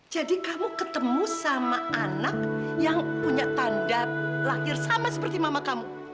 jadi kamu ketemu sama anak yang punya tanda lahir sama seperti mama kamu